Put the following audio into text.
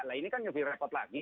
nah ini kan lebih repot lagi